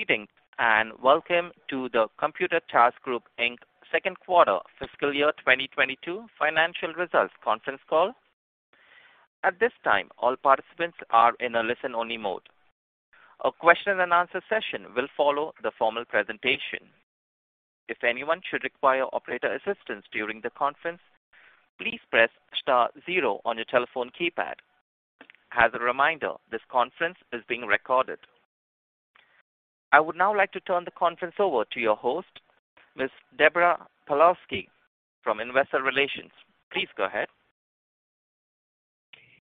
Good evening, and welcome to the Computer Task Group Inc Second Quarter Fiscal Year 2022 Financial Results Conference Call. At this time, all participants are in a listen-only mode. A question and answer session will follow the formal presentation. If anyone should require operator assistance during the conference, please press star zero on your telephone keypad. As a reminder, this conference is being recorded. I would now like to turn the conference over to your host, Ms. Deborah Pawlowski from Investor Relations. Please go ahead.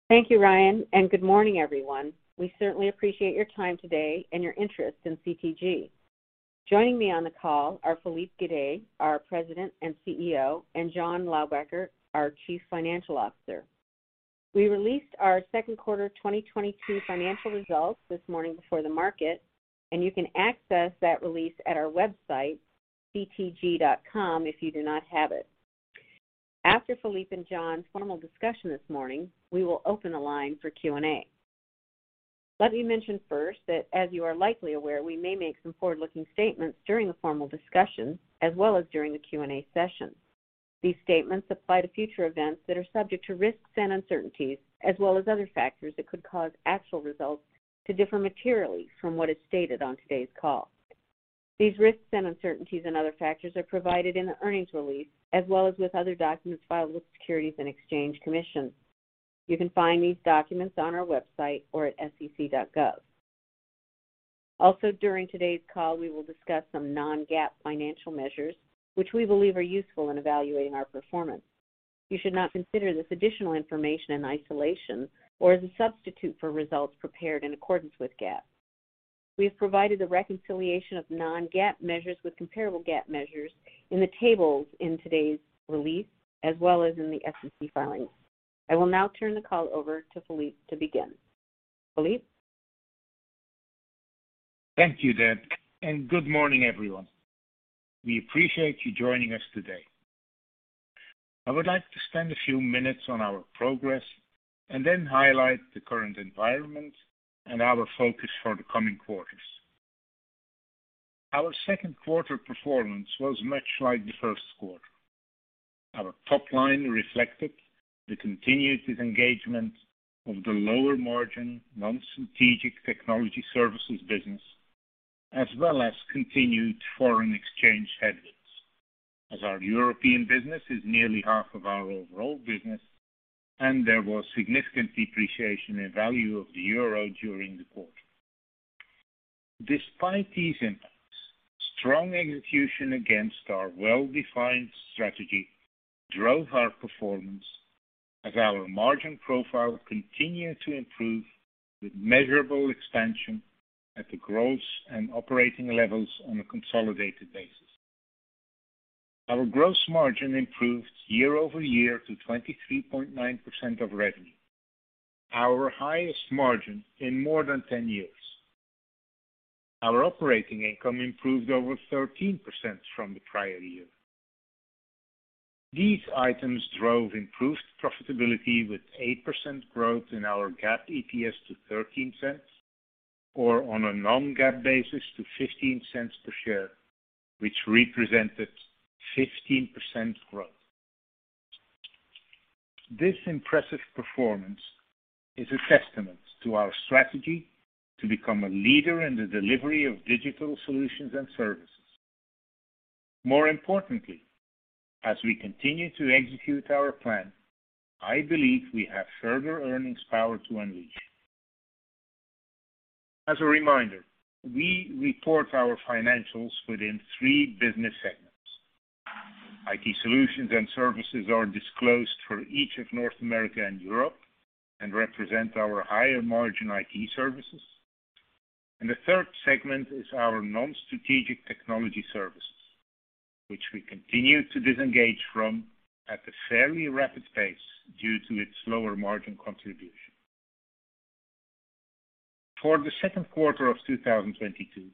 Thank you, Ryan, and good morning, everyone. We certainly appreciate your time today and your interest in CTG. Joining me on the call are Filip Gydé, our President and CEO, and John Laubacker, our Chief Financial Officer. We released our second quarter 2022 financial results this morning before the market, and you can access that release at our website, ctg.com, if you do not have it. After Filip and John's formal discussion this morning, we will open the line for Q&A. Let me mention first that, as you are likely aware, we may make some forward-looking statements during the formal discussion as well as during the Q&A session. These statements apply to future events that are subject to risks and uncertainties as well as other factors that could cause actual results to differ materially from what is stated on today's call. These risks and uncertainties and other factors are provided in the earnings release as well as with other documents filed with Securities and Exchange Commission. You can find these documents on our website or at sec.gov. Also, during today's call, we will discuss some non-GAAP financial measures which we believe are useful in evaluating our performance. You should not consider this additional information in isolation or as a substitute for results prepared in accordance with GAAP. We have provided a reconciliation of non-GAAP measures with comparable GAAP measures in the tables in today's release, as well as in the SEC filings. I will now turn the call over to Filip to begin. Filip? Thank you, Deb, and good morning, everyone. We appreciate you joining us today. I would like to spend a few minutes on our progress and then highlight the current environment and our focus for the coming quarters. Our second quarter performance was much like the first quarter. Our top line reflected the continued disengagement of the lower margin non-strategic technology services business, as well as continued foreign exchange headwinds as our European business is nearly half of our overall business, and there was significant depreciation in value of the euro during the quarter. Despite these impacts, strong execution against our well-defined strategy drove our performance as our margin profile continued to improve with measurable expansion at the gross and operating levels on a consolidated basis. Our gross margin improved year-over-year to 23.9% of revenue, our highest margin in more than 10 years. Our operating income improved over 13% from the prior year. These items drove improved profitability with 8% growth in our GAAP EPS to $0.13, or on a non-GAAP basis to $0.15 per share, which represented 15% growth. This impressive performance is a testament to our strategy to become a leader in the delivery of digital solutions and services. More importantly, as we continue to execute our plan, I believe we have further earnings power to unleash. As a reminder, we report our financials within three business segments. IT solutions and services are disclosed for each of North America and Europe and represent our higher margin IT services. The third segment is our non-strategic technology services, which we continue to disengage from at a fairly rapid pace due to its lower margin contribution. For the second quarter of 2022,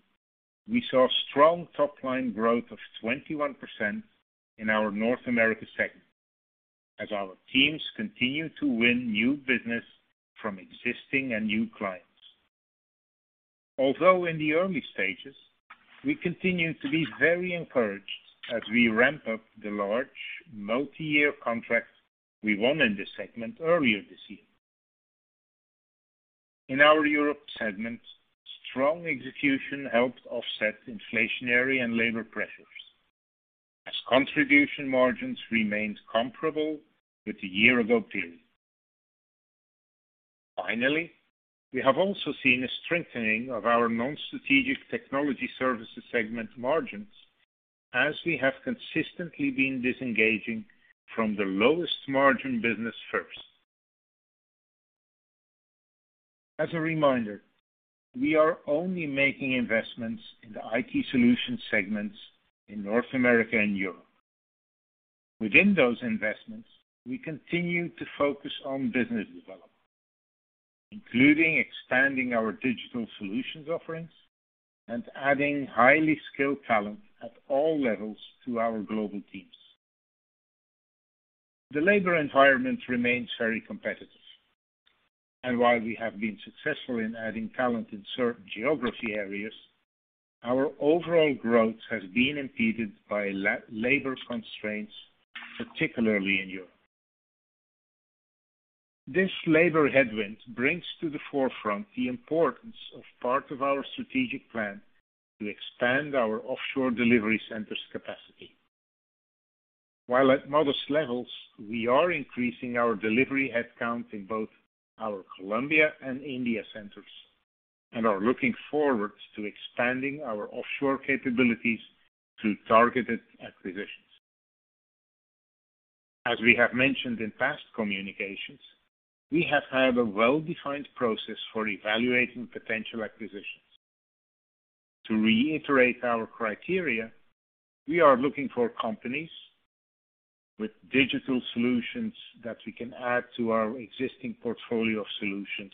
we saw strong top-line growth of 21% in our North America segment as our teams continued to win new business from existing and new clients. Although in the early stages, we continue to be very encouraged as we ramp up the large multi-year contract we won in this segment earlier this year. In our Europe segment, strong execution helped offset inflationary and labor pressures as contribution margins remained comparable with the year-ago period. Finally, we have also seen a strengthening of our non-strategic technology services segment margins as we have consistently been disengaging from the lowest margin business first. As a reminder, we are only making investments in the IT solutions segments in North America and Europe. Within those investments, we continue to focus on business development, including expanding our digital solutions offerings and adding highly skilled talent at all levels to our global teams. The labor environment remains very competitive. While we have been successful in adding talent in certain geographic areas, our overall growth has been impeded by labor constraints, particularly in Europe. This labor headwind brings to the forefront the importance of part of our strategic plan to expand our offshore delivery centers' capacity. While at modest levels, we are increasing our delivery headcount in both our Colombia and India centers, and are looking forward to expanding our offshore capabilities through targeted acquisitions. As we have mentioned in past communications, we have had a well-defined process for evaluating potential acquisitions. To reiterate our criteria, we are looking for companies with digital solutions that we can add to our existing portfolio of solutions,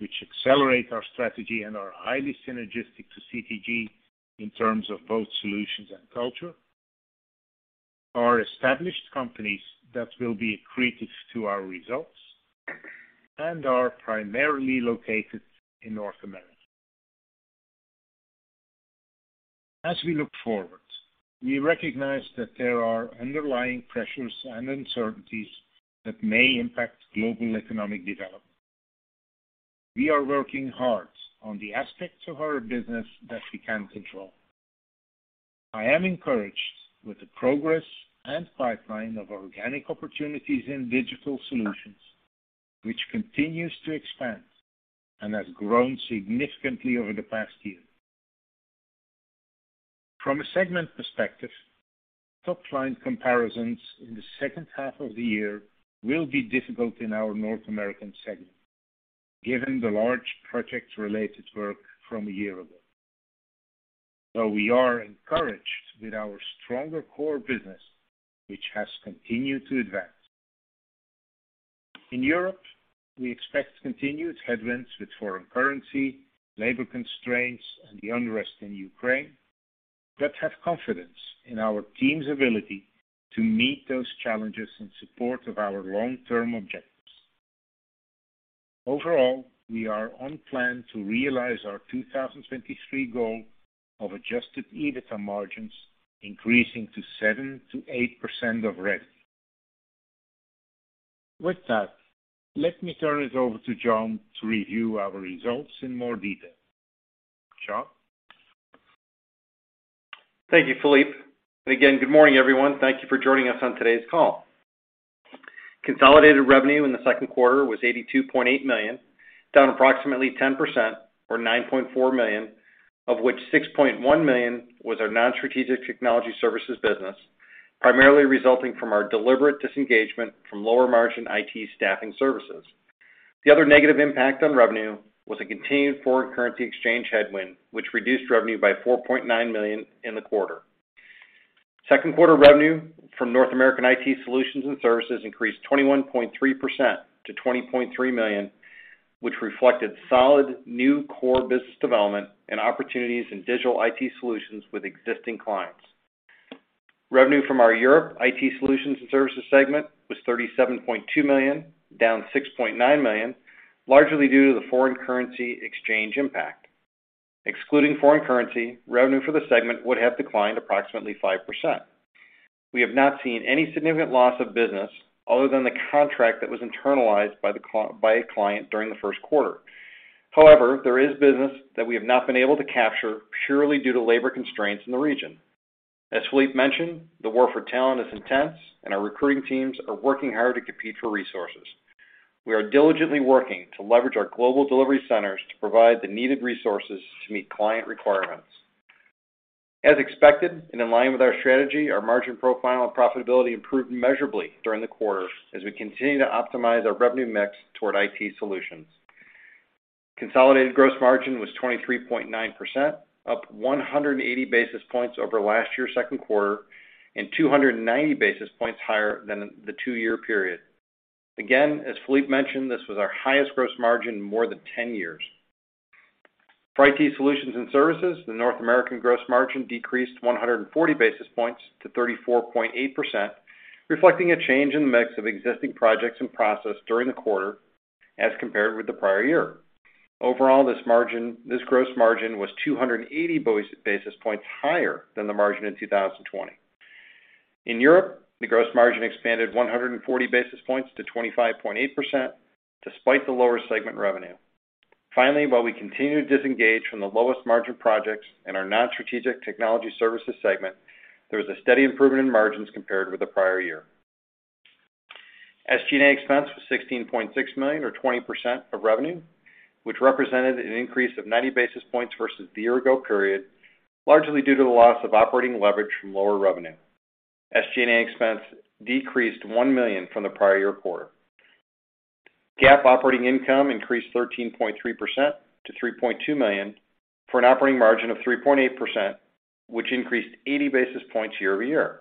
which accelerate our strategy and are highly synergistic to CTG in terms of both solutions and culture, are established companies that will be accretive to our results, and are primarily located in North America. As we look forward, we recognize that there are underlying pressures and uncertainties that may impact global economic development. We are working hard on the aspects of our business that we can control. I am encouraged with the progress and pipeline of organic opportunities in digital solutions, which continues to expand and has grown significantly over the past year. From a segment perspective, top line comparisons in the second half of the year will be difficult in our North American segment, given the large project-related work from a year ago. We are encouraged with our stronger core business, which has continued to advance. In Europe, we expect continued headwinds with foreign currency, labor constraints, and the unrest in Ukraine, but have confidence in our team's ability to meet those challenges in support of our long-term objectives. Overall, we are on plan to realize our 2023 goal of Adjusted EBITDA margins increasing to 7%-8% of revenue. With that, let me turn it over to John to review our results in more detail. John? Thank you, Filip. Again, good morning, everyone. Thank you for joining us on today's call. Consolidated revenue in the second quarter was $82.8 million, down approximately 10% or $9.4 million, of which $6.1 million was our non-strategic technology services business, primarily resulting from our deliberate disengagement from lower margin IT staffing services. The other negative impact on revenue was a continued foreign currency exchange headwind, which reduced revenue by $4.9 million in the quarter. Second quarter revenue from North American IT solutions and services increased 21.3% to $20.3 million, which reflected solid new core business development and opportunities in digital IT solutions with existing clients. Revenue from our Europe IT solutions and services segment was $37.2 million, down $6.9 million, largely due to the foreign currency exchange impact. Excluding foreign currency, revenue for the segment would have declined approximately 5%. We have not seen any significant loss of business other than the contract that was internalized by a client during the first quarter. However, there is business that we have not been able to capture purely due to labor constraints in the region. As Filip mentioned, the war for talent is intense and our recruiting teams are working hard to compete for resources. We are diligently working to leverage our global delivery centers to provide the needed resources to meet client requirements. As expected and in line with our strategy, our margin profile and profitability improved measurably during the quarter as we continue to optimize our revenue mix toward IT solutions. Consolidated gross margin was 23.9%, up 180 basis points over last year's second quarter, and 290 basis points higher than the two-year period. Again, as Filip mentioned, this was our highest gross margin in more than 10 years. For IT solutions and services, the North American gross margin decreased 140 basis points to 34.8%, reflecting a change in the mix of existing projects and process during the quarter as compared with the prior year. Overall, this gross margin was 280 basis points higher than the margin in 2020. In Europe, the gross margin expanded 140 basis points to 25.8% despite the lower segment revenue. Finally, while we continue to disengage from the lowest margin projects in our non-strategic technology services segment, there was a steady improvement in margins compared with the prior year. SG&A expense was $16.6 million or 20% of revenue, which represented an increase of 90 basis points versus the year ago period, largely due to the loss of operating leverage from lower revenue. SG&A expense decreased $1 million from the prior year quarter. GAAP operating income increased 13.3% to $3.2 million, for an operating margin of 3.8%, which increased 80 basis points year-over-year.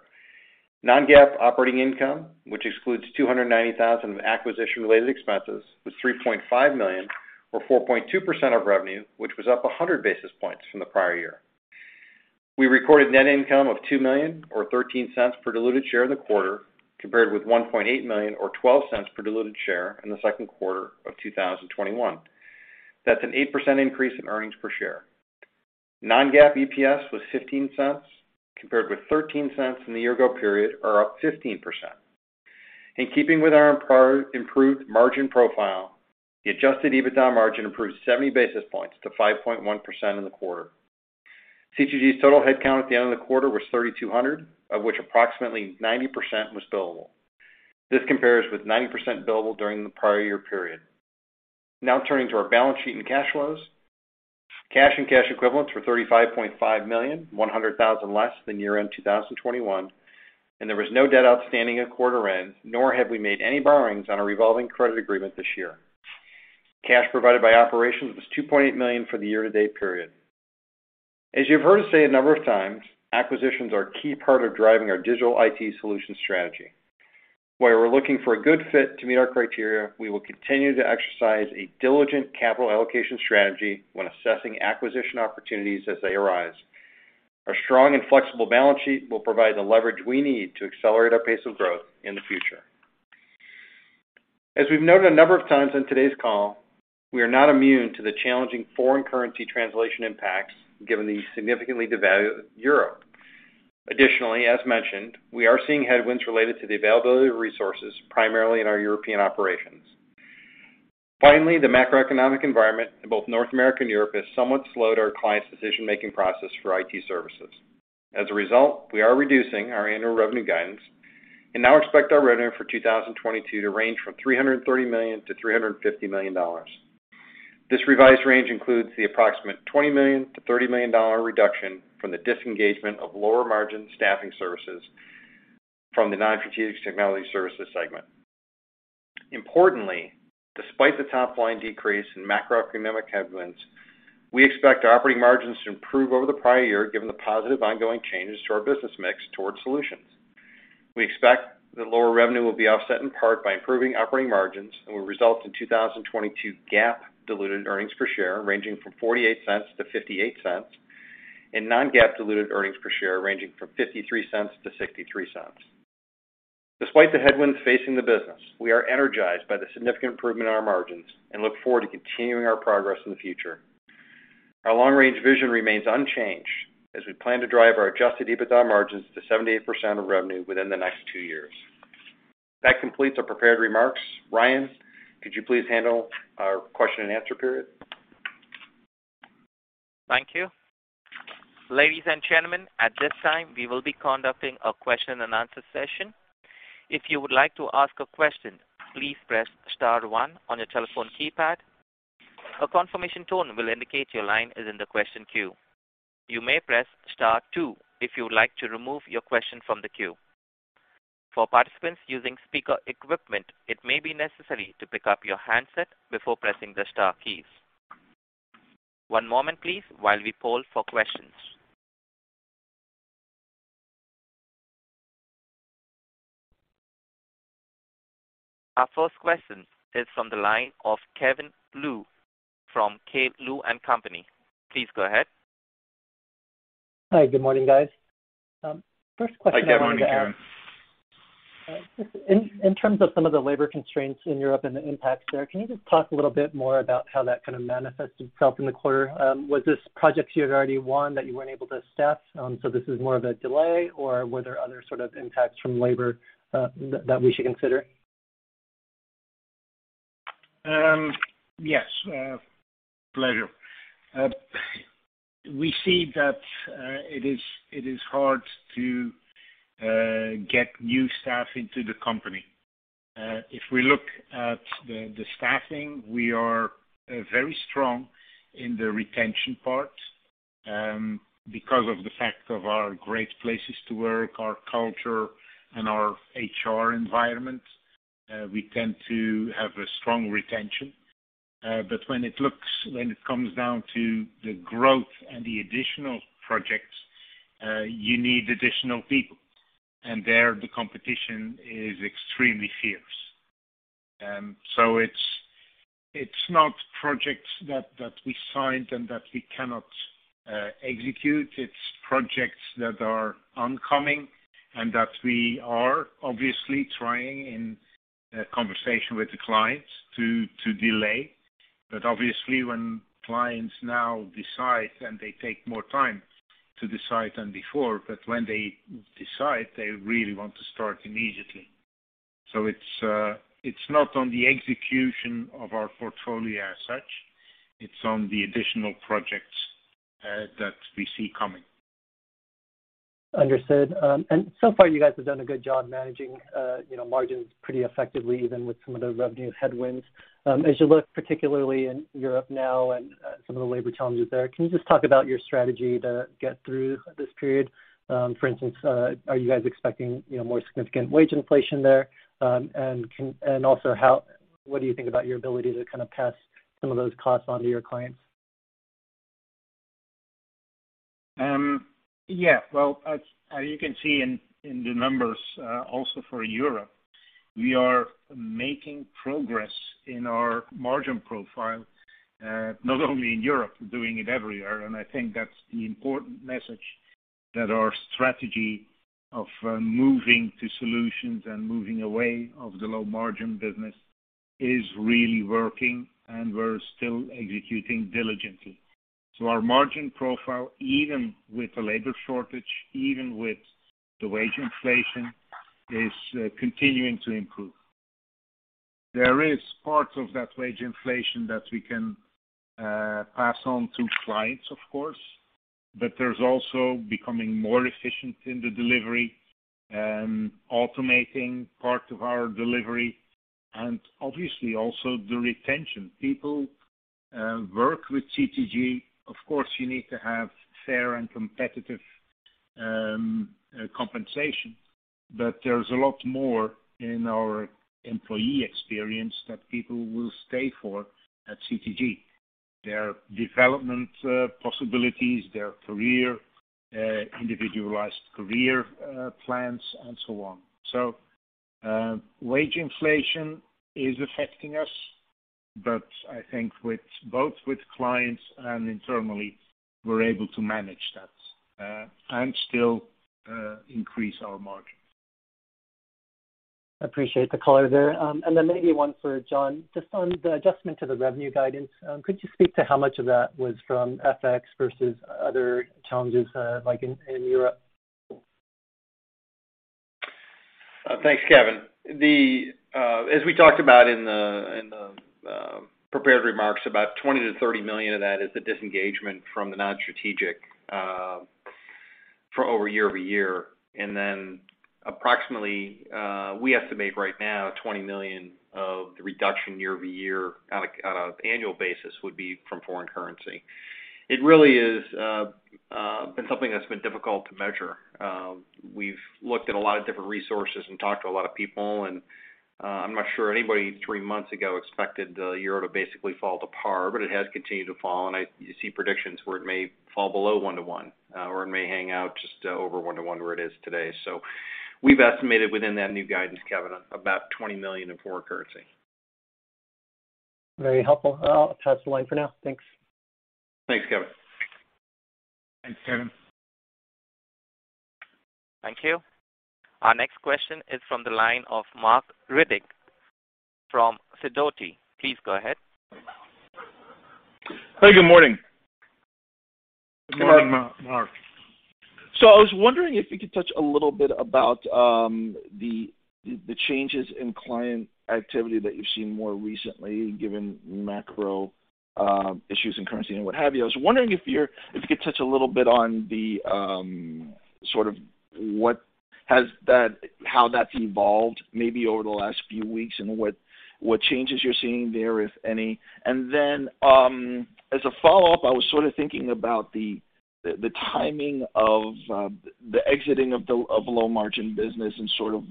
Non-GAAP operating income, which excludes $290,000 of acquisition-related expenses, was $3.5 million or 4.2% of revenue, which was up 100 basis points from the prior year. We recorded net income of $2 million or $0.13 per diluted share in the quarter, compared with $1.8 million or $0.12 per diluted share in the second quarter of 2021. That's an 8% increase in earnings per share. Non-GAAP EPS was $0.15 compared with $0.13 in the year ago period, or up 15%. In keeping with our prior improved margin profile, the adjusted EBITDA margin improved 70 basis points to 5.1% in the quarter. CTG's total headcount at the end of the quarter was 3,200, of which approximately 90% was billable. This compares with 90% billable during the prior year period. Now turning to our balance sheet and cash flows. Cash and cash equivalents were $35.5 million, $100,000 less than year-end 2021, and there was no debt outstanding at quarter end, nor have we made any borrowings on our revolving credit agreement this year. Cash provided by operations was $2.8 million for the year-to-date period. As you've heard us say a number of times, acquisitions are a key part of driving our digital IT solution strategy. Where we're looking for a good fit to meet our criteria, we will continue to exercise a diligent capital allocation strategy when assessing acquisition opportunities as they arise. Our strong and flexible balance sheet will provide the leverage we need to accelerate our pace of growth in the future. As we've noted a number of times in today's call, we are not immune to the challenging foreign currency translation impacts given the significantly devalued euro. Additionally, as mentioned, we are seeing headwinds related to the availability of resources, primarily in our European operations. Finally, the macroeconomic environment in both North America and Europe has somewhat slowed our clients' decision-making process for IT services. As a result, we are reducing our annual revenue guidance and now expect our revenue for 2022 to range from $330 million-$350 million. This revised range includes the approximate $20 million-$30 million reduction from the disengagement of lower margin staffing services from the non-strategic technology services segment. Importantly, despite the top line decrease in macroeconomic headwinds, we expect our operating margins to improve over the prior year given the positive ongoing changes to our business mix towards solutions. We expect that lower revenue will be offset in part by improving operating margins and will result in 2022 GAAP diluted earnings per share ranging from $0.48-$0.58, and non-GAAP diluted earnings per share ranging from $0.53-$0.63. Despite the headwinds facing the business, we are energized by the significant improvement in our margins and look forward to continuing our progress in the future. Our long-range vision remains unchanged as we plan to drive our adjusted EBITDA margins to 7%-8% of revenue within the next two years. That completes our prepared remarks. Ryan, could you please handle our question and answer period? Thank you. Ladies and gentlemen, at this time, we will be conducting a question and answer session. If you would like to ask a question, please press star one on your telephone keypad. A confirmation tone will indicate your line is in the question queue. You may press star two if you would like to remove your question from the queue. For participants using speaker equipment, it may be necessary to pick up your handset before pressing the star keys. One moment please while we poll for questions. Our first question is from the line of Kevin Liu from K. Liu & Company. Please go ahead. Hi. Good morning, guys. First question I wanted to ask. Hi, Kevin. How are you doing? Just in terms of some of the labor constraints in Europe and the impacts there, can you just talk a little bit more about how that kind of manifested itself in the quarter? Was this projects you had already won that you weren't able to staff, so this is more of a delay? Or were there other sort of impacts from labor, that we should consider? Yes, pleasure. We see that it is hard to get new staff into the company. If we look at the staffing, we are very strong in the retention part because of the fact of our great places to work, our culture and our HR environment. We tend to have a strong retention. When it comes down to the growth and the additional projects, you need additional people, and there the competition is extremely fierce. It's not projects that we signed and that we cannot execute. It's projects that are oncoming and that we are obviously trying in a conversation with the clients to delay. Obviously when clients now decide and they take more time to decide than before, but when they decide, they really want to start immediately. It's not on the execution of our portfolio as such. It's on the additional projects that we see coming. Understood. So far, you guys have done a good job managing, you know, margins pretty effectively, even with some of the revenue headwinds. As you look particularly in Europe now and some of the labor challenges there, can you just talk about your strategy to get through this period? For instance, are you guys expecting, you know, more significant wage inflation there? Also, what do you think about your ability to kind of pass some of those costs on to your clients? Yeah. Well, as you can see in the numbers, also for Europe, we are making progress in our margin profile, not only in Europe, we're doing it everywhere. I think that's the important message. Our strategy of moving to solutions and moving away of the low margin business is really working, and we're still executing diligently. Our margin profile, even with the labor shortage, even with the wage inflation, is continuing to improve. There is parts of that wage inflation that we can pass on to clients, of course, but there's also becoming more efficient in the delivery and automating part of our delivery and obviously also the retention. People work with CTG. Of course, you need to have fair and competitive compensation. There's a lot more in our employee experience that people will stay for at CTG. Their development possibilities, their career individualized career plans and so on. Wage inflation is affecting us, but I think with both clients and internally, we're able to manage that, and still increase our margin. Appreciate the color there. Maybe one for John. Just on the adjustment to the revenue guidance, could you speak to how much of that was from FX versus other challenges, like in Europe? Thanks, Kevin. As we talked about in the prepared remarks, about $20 million-$30 million of that is the disengagement from the non-strategic year-over-year. Approximately, we estimate right now $20 million of the reduction year-over-year on an annual basis would be from foreign currency. It really has been something that's been difficult to measure. We've looked at a lot of different resources and talked to a lot of people, and I'm not sure anybody three months ago expected the euro to basically fall to par, but it has continued to fall, and you see predictions where it may fall below one to one, or it may hang out just over one to one where it is today. We've estimated within that new guidance, Kevin, about 20 million in foreign currency. Very helpful. I'll pass the line for now. Thanks. Thanks, Kevin. Thanks, Kevin. Thank you. Our next question is from the line of Marc Riddick from Sidoti. Please go ahead. Hey, good morning. Good morning, Marc. I was wondering if you could touch a little bit about the changes in client activity that you've seen more recently, given macro issues in currency and what have you. I was wondering if you could touch a little bit on how that's evolved maybe over the last few weeks and what changes you're seeing there, if any. As a follow-up, I was sort of thinking about the timing of the exiting of the low margin business and sort of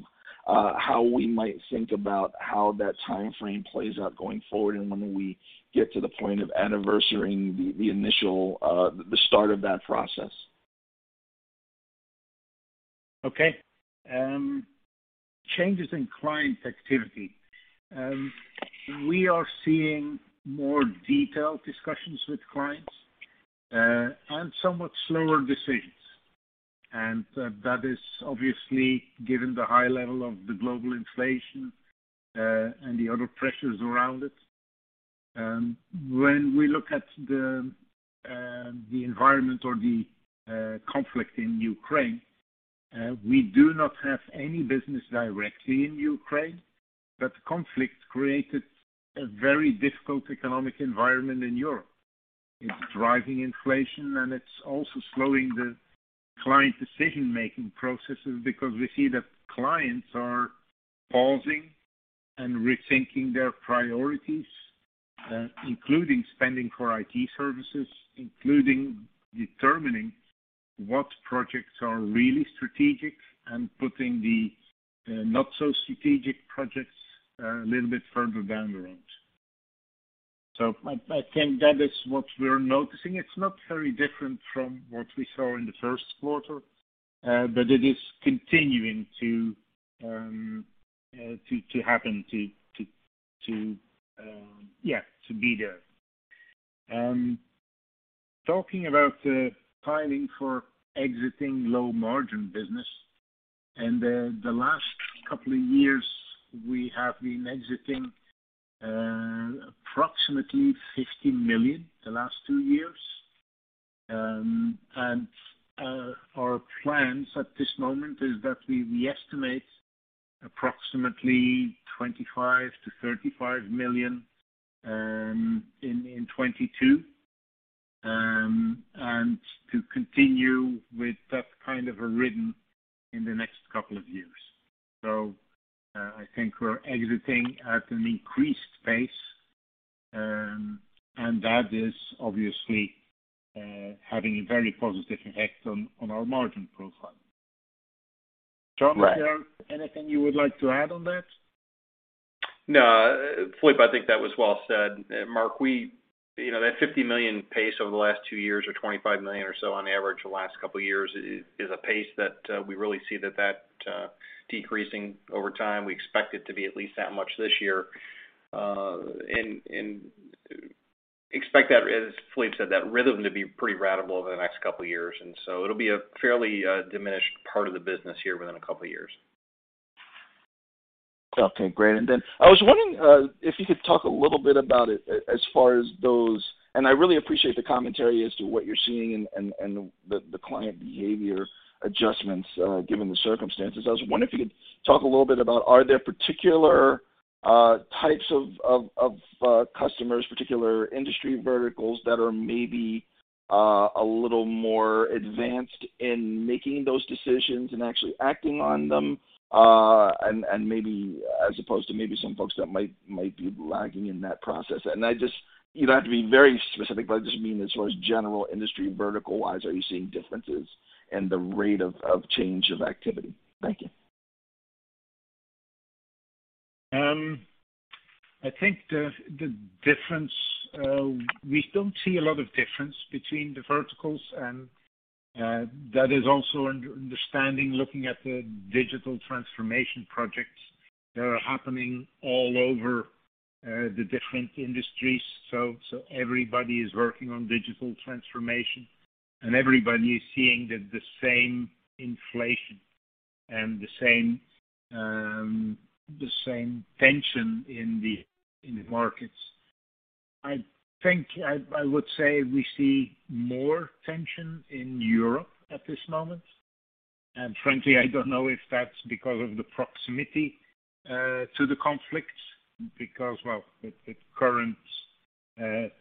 how we might think about how that timeframe plays out going forward and when we get to the point of anniversarying the initial start of that process. Okay. Changes in client activity. We are seeing more detailed discussions with clients, and somewhat slower decisions. That is obviously given the high level of the global inflation, and the other pressures around it. When we look at the environment or the conflict in Ukraine, we do not have any business directly in Ukraine, but the conflict created a very difficult economic environment in Europe. It's driving inflation, and it's also slowing the client decision-making processes because we see that clients are pausing and rethinking their priorities, including spending for IT services, including determining what projects are really strategic and putting the not so strategic projects a little bit further down the road. I think that is what we're noticing. It's not very different from what we saw in the first quarter, but it is continuing to be there. Talking about timing for exiting low margin business, and the last couple of years, we have been exiting approximately $50 million the last two years. Our plans at this moment is that we estimate approximately $25-$35 million in 2022, and to continue with that kind of a rhythm in the next couple of years. I think we're exiting at an increased pace, and that is obviously having a very positive effect on our margin profile. John- Right. Is there anything you would like to add on that? No. Filip, I think that was well said. Marc, you know, that $50 million pace over the last two years or $25 million or so on average the last couple of years is a pace that we really see that decreasing over time. We expect it to be at least that much this year and expect that, as Filip said, that rhythm to be pretty ratable over the next couple of years. It'll be a fairly diminished part of the business here within a couple of years. Okay, great. I really appreciate the commentary as to what you're seeing and the client behavior adjustments, given the circumstances. I was wondering if you could talk a little bit about are there particular types of customers, particular industry verticals that are maybe a little more advanced in making those decisions and actually acting on them, and maybe as opposed to maybe some folks that might be lagging in that process. You don't have to be very specific, but I just mean as far as general industry vertical-wise, are you seeing differences and the rate of change of activity? Thank you. I think the difference we don't see a lot of difference between the verticals and that is also understanding looking at the digital transformation projects that are happening all over the different industries. Everybody is working on digital transformation, and everybody is seeing the same inflation and the same tension in the markets. I would say we see more tension in Europe at this moment. Frankly, I don't know if that's because of the proximity to the conflict because with the current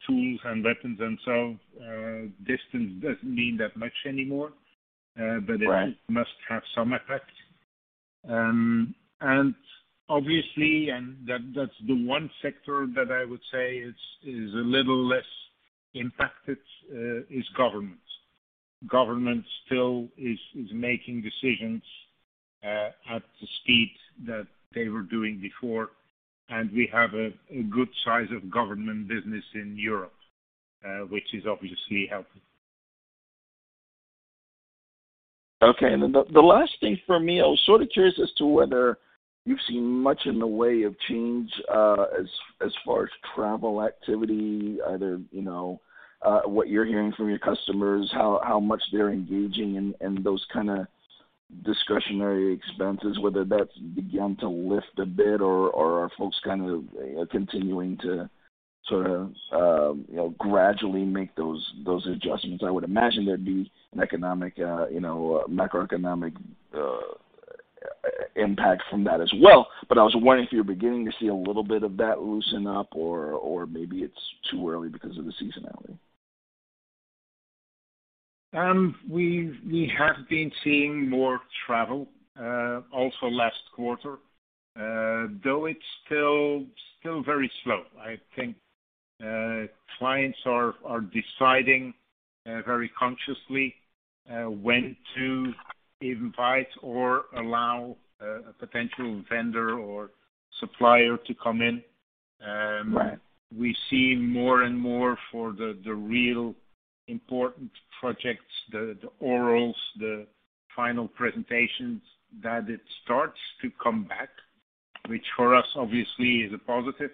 tools and weapons distance doesn't mean that much anymore. Right. It must have some effect. Obviously, that's the one sector that I would say is a little less impacted is government. Government still is making decisions at the speed that they were doing before. We have a good size of government business in Europe, which is obviously helping. Okay. The last thing for me, I was sort of curious as to whether you've seen much in the way of change, as far as travel activity, either, you know, what you're hearing from your customers, how much they're engaging in those kinda discretionary expenses, whether that's begun to lift a bit or are folks kind of continuing to sort of, you know, gradually make those adjustments. I would imagine there'd be an economic, you know, macroeconomic impact from that as well. I was wondering if you're beginning to see a little bit of that loosen up or maybe it's too early because of the seasonality. We have been seeing more travel also last quarter, though it's still very slow. I think clients are deciding very consciously when to invite or allow a potential vendor or supplier to come in. Right. We see more and more for the really important projects, the orals, the final presentations that it starts to come back, which for us obviously is a positive.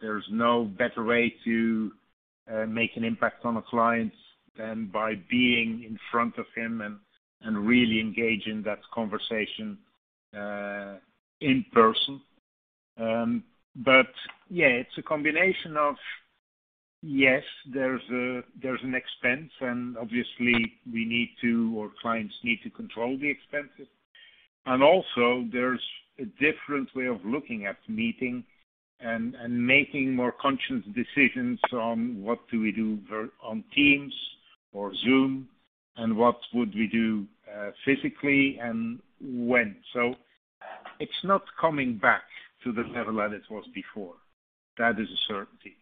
There's no better way to make an impact on a client than by being in front of him and really engage in that conversation in person. Yeah, it's a combination of, yes, there's an expense, and obviously clients need to control the expenses. Also there's a different way of looking at meeting and making more conscious decisions on what do we do virtually on Teams or Zoom and what would we do physically and when. It's not coming back to the level that it was before. That is a certainty.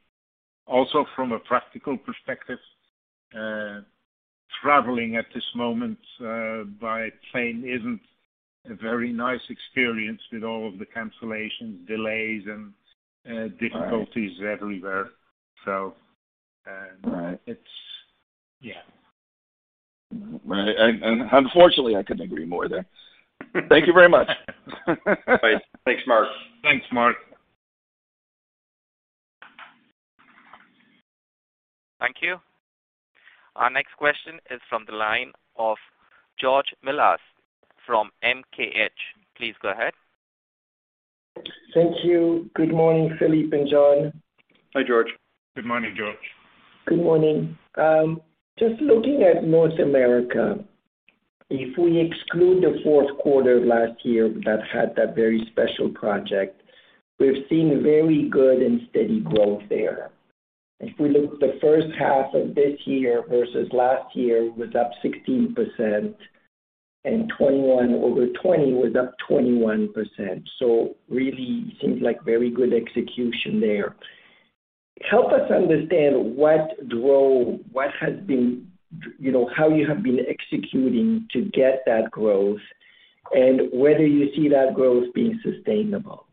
Also, from a practical perspective, traveling at this moment by plane isn't a very nice experience with all of the cancellations, delays and difficulties. Right. Everywhere. Right. Yeah. Right. Unfortunately, I couldn't agree more there. Thank you very much. Thanks. Thanks, Marc. Thanks, Marc. Thank you. Our next question is from the line of George Melas from MKH. Please go ahead. Thank you. Good morning, Filip and John. Hi, George. Good morning, George. Good morning. Just looking at North America, if we exclude the fourth quarter of last year that had that very special project, we've seen very good and steady growth there. If we look at the first half of this year versus last year, it was up 16% and 2021 over 2020 was up 21%. Really seems like very good execution there. Help us understand what has been, you know, how you have been executing to get that growth and whether you see that growth being sustainable.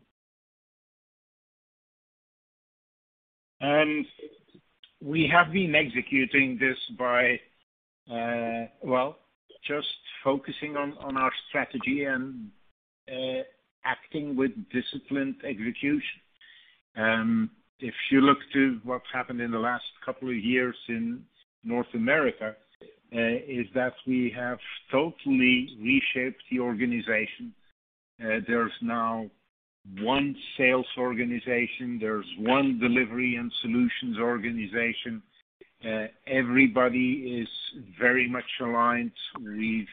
We have been executing this by, well, just focusing on our strategy and acting with disciplined execution. If you look to what's happened in the last couple of years in North America, is that we have totally reshaped the organization. There's now one sales organization, there's one delivery and solutions organization. Everybody is very much aligned. We've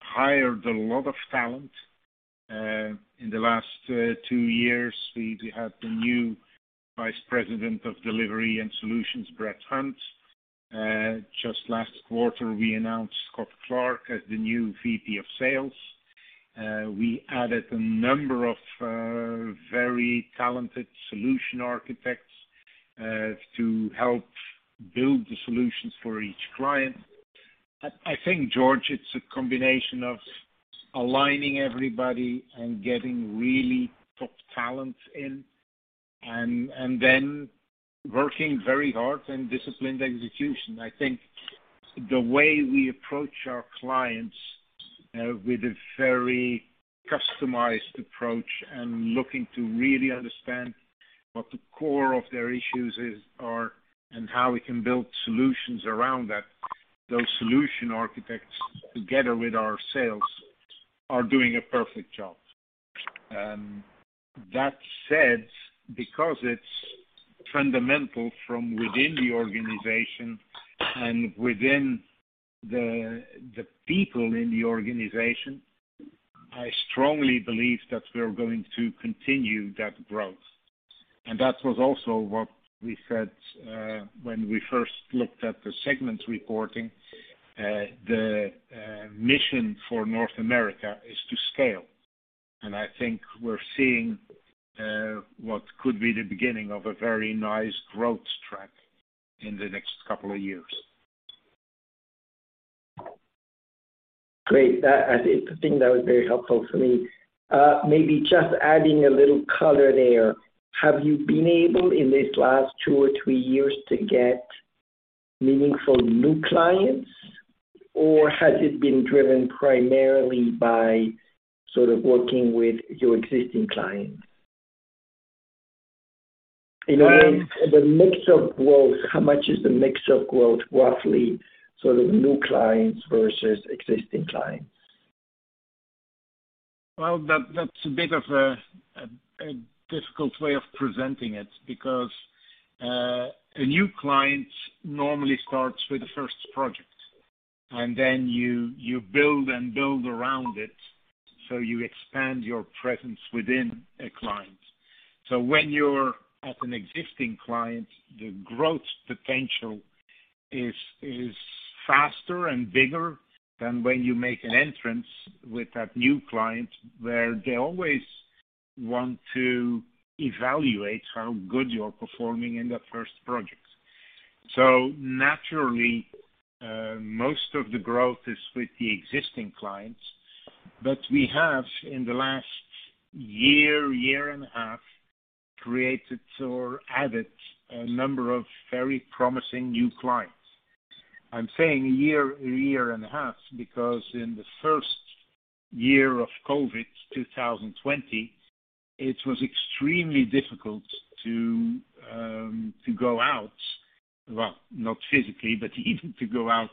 hired a lot of talent. In the last two years, we have the new Vice President of Delivery and Solutions, Brent Hunt. Just last quarter, we announced Scott Clark as the new VP of Sales. We added a number of very talented solution architects to help build the solutions for each client. I think, George, it's a combination of aligning everybody and getting really top talent in, and then working very hard and disciplined execution. I think the way we approach our clients with a very customized approach and looking to really understand what the core of their issues are and how we can build solutions around that. Those solution architects, together with our sales, are doing a perfect job. That said, because it's fundamental from within the organization and within the people in the organization, I strongly believe that we're going to continue that growth. That was also what we said when we first looked at the segment reporting. The mission for North America is to scale, and I think we're seeing what could be the beginning of a very nice growth track in the next couple of years. Great. That, I think, was very helpful for me. Maybe just adding a little color there. Have you been able, in these last two or three years, to get meaningful new clients, or has it been driven primarily by sort of working with your existing clients? Well- In a way, the mix of growth, how much is the mix of growth, roughly, sort of new clients versus existing clients? Well, that's a bit of a difficult way of presenting it, because a new client normally starts with the first project, and then you build and build around it, so you expand your presence within a client. When you're at an existing client, the growth potential is faster and bigger than when you make an entrance with that new client, where they always want to evaluate how good you're performing in the first project. Naturally, most of the growth is with the existing clients. We have, in the last year and a half, created or added a number of very promising new clients. I'm saying a year and a half because in the first year of COVID, 2020, it was extremely difficult to go out. Well, not physically, but even to go out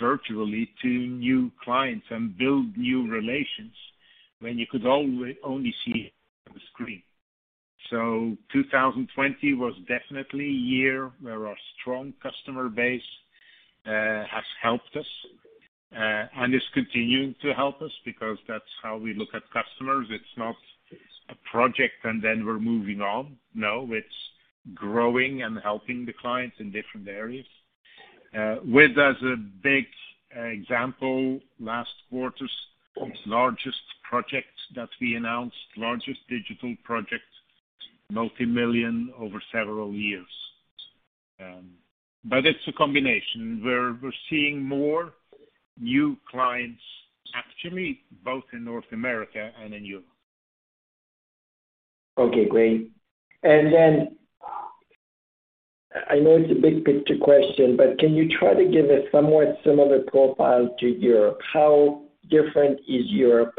virtually to new clients and build new relations when you could only see a screen. 2020 was definitely a year where our strong customer base has helped us and is continuing to help us because that's how we look at customers. It's not a project, and then we're moving on. No, it's growing and helping the clients in different areas. With us, a big example, last quarter's largest project that we announced, largest digital project, multimillion over several years. But it's a combination. We're seeing more new clients actually, both in North America and in Europe. Okay, great. I know it's a big picture question, but can you try to give us somewhat similar profile to Europe? How different is Europe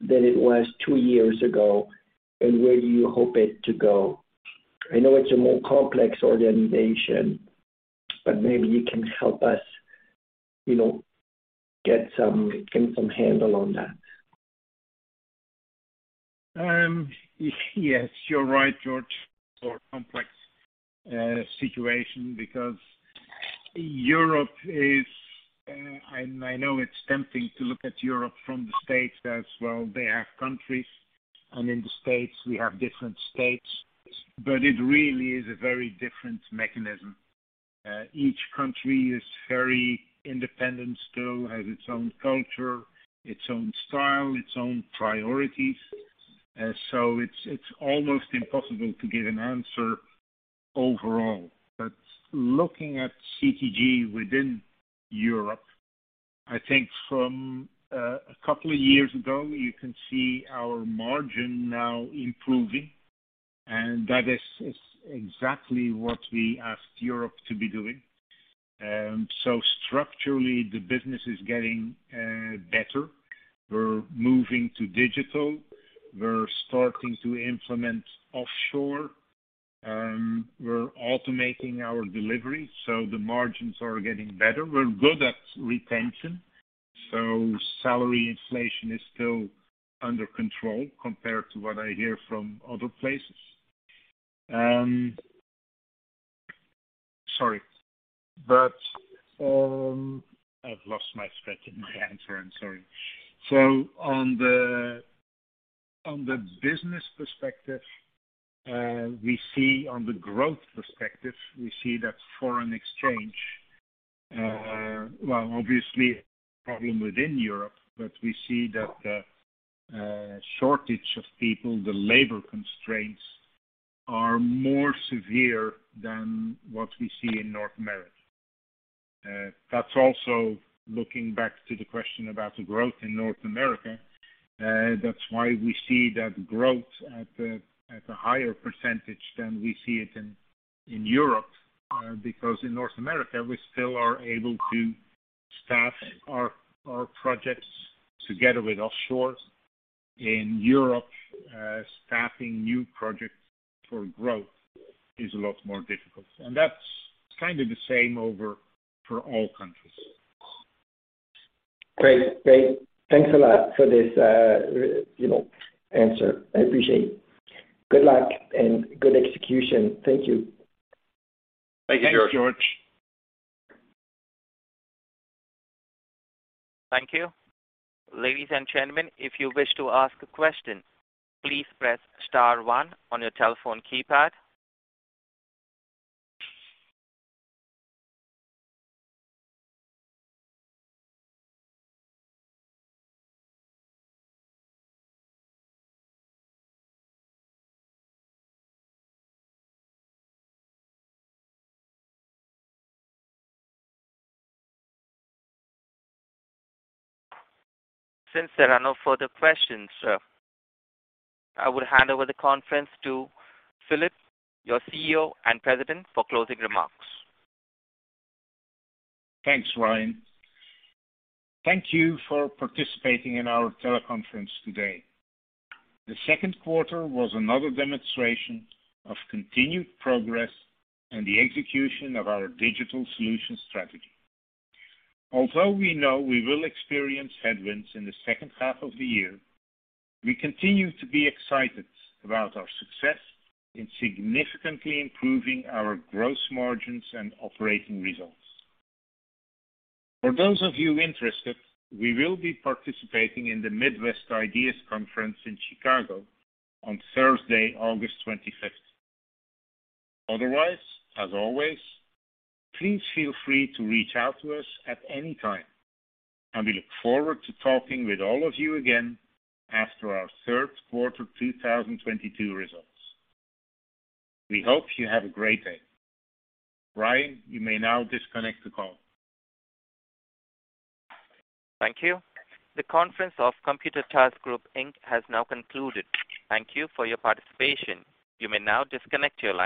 than it was two years ago, and where do you hope it to go? I know it's a more complex organization, but maybe you can help us, you know, get some handle on that. Yes, you're right, George. More complex situation because Europe is and I know it's tempting to look at Europe from the States as well. They have countries, and in the States we have different states, but it really is a very different mechanism. Each country is very independent still, has its own culture, its own style, its own priorities. So it's almost impossible to give an answer overall. Looking at CTG within Europe, I think from a couple of years ago, you can see our margin now improving, and that is exactly what we asked Europe to be doing. Structurally, the business is getting better. We're moving to digital. We're starting to implement offshore. We're automating our delivery so the margins are getting better. We're good at retention, so salary inflation is still under control compared to what I hear from other places. Sorry, but I've lost my thread to my answer. I'm sorry. On the business perspective, we see on the growth perspective that foreign exchange, well, obviously, problem within Europe, but we see that the shortage of people, the labor constraints are more severe than what we see in North America. That's also looking back to the question about the growth in North America. That's why we see that growth at a higher percentage than we see it in Europe, because in North America, we still are able to staff our projects together with offshore. In Europe, staffing new projects for growth is a lot more difficult, and that's kind of the same over for all countries. Great. Thanks a lot for this, you know, answer. I appreciate it. Good luck and good execution. Thank you. Thank you, George. Thanks, George. Thank you. Ladies and gentlemen, if you wish to ask a question, please press star one on your telephone keypad. Since there are no further questions, I would hand over the conference to Filip, your CEO and President, for closing remarks. Thanks, Ryan. Thank you for participating in our teleconference today. The second quarter was another demonstration of continued progress and the execution of our digital solutions strategy. Although we know we will experience headwinds in the second half of the year, we continue to be excited about our success in significantly improving our gross margins and operating results. For those of you interested, we will be participating in the Midwest IDEAS Investor Conference in Chicago on Thursday, August 25th. Otherwise, as always, please feel free to reach out to us at any time, and we look forward to talking with all of you again after our third quarter 2022 results. We hope you have a great day. Ryan, you may now disconnect the call. Thank you. The conference of Computer Task Group Inc has now concluded. Thank you for your participation. You may now disconnect your line.